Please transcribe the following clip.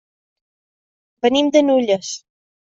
Venim de Nulles.